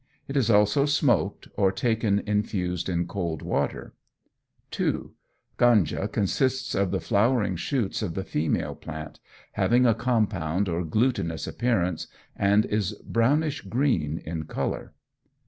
It is also smoked, or taken infused in cold water. 2. Ganja consists of the flowering shoots of the female plant, having a compound or glutinous appearance, and is brownish green in colour.